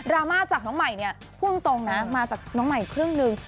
รามาจากน้องใหม่เนี่ยพูดตรงนะมาจากน้องใหม่ครึ่งหนึ่ง